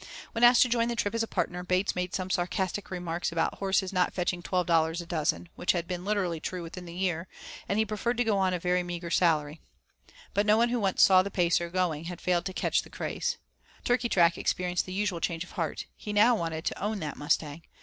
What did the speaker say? When asked to join the trip as a partner, Bates made some sarcastic remarks about horses not fetching $12 a dozen, which had been literally true within the year, and he preferred to go on a very meagre salary. But no one who once saw the Pacer going had failed to catch the craze. Turkeytrack experienced the usual change of heart. He now wanted to own that mustang.